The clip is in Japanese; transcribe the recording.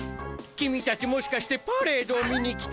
君たちもしかしてパレードを見に来た。